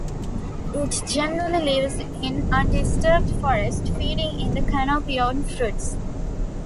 It generally lives in undisturbed forest, feeding in the canopy on fruits.